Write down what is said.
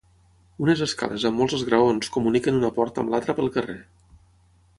Unes escales amb molts esgraons comuniquen una porta amb l'altra pel carrer.